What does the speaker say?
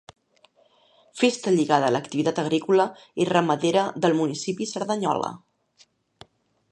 Festa lligada a l'activitat agrícola i ramadera del municipi Cerdanyola.